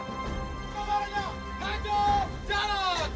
bukan baranya lanjut jalan